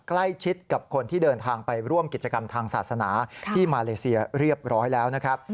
ใกล้ชิดกับคนที่เดินทางไปร่วมกิจกรรมทางศาสนาที่มาเลเซียเรียบร้อยแล้วนะครับ